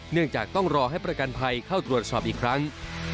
เนื่องจากต้องรอให้ประกันภัยเข้าตรวจสอบอีกครั้ง